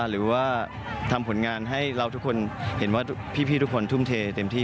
หรือว่าทำผลงานให้เราทุกคนเห็นว่าพี่ทุกคนทุ่มเทเต็มที่